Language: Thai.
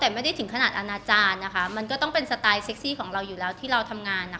แต่ไม่ได้ถึงขนาดอนาจารย์นะคะมันก็ต้องเป็นสไตล์เซ็กซี่ของเราอยู่แล้วที่เราทำงานอ่ะ